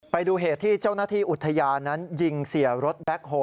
ไปดูเหตุที่เจ้าหน้าที่อุทยานนั้นยิงเสียรถแบ็คโฮล